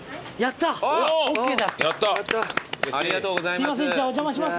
すいませんお邪魔します。